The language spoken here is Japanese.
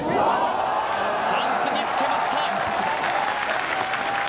チャンスにつけました。